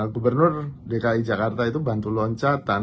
gubernur dki jakarta itu bantu loncatan